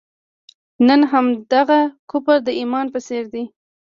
نن همدغه کفر د ایمان په څېر دی.